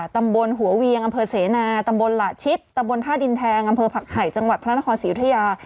ตำบลหัวเวียงอำเภอเสนาตำบลหละชิดตำบลท่าดินแทงอำเภอผักไห่จังหวัดพระนครศรีอุทยา